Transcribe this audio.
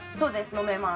飲めます。